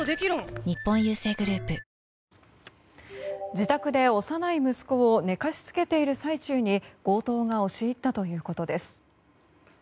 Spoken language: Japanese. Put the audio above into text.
自宅で幼い息子を寝かしつけている最中に強盗が押し入ったということです。